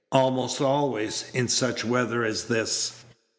"Almost always, in such weather as this."